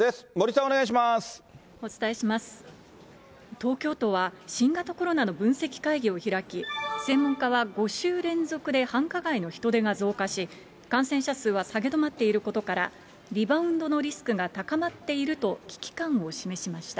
東京都は新型コロナの分析会議を開き、専門家は５週連続で繁華街の人出が増加し、感染者数は下げ止まっていることから、リバウンドのリスクが高まっていると、危機感を示しました。